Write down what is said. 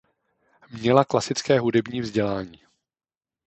Měla klasické hudební vzdělání.